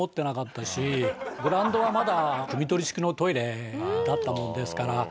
グラウンドはまだくみ取り式のトイレだったものですから。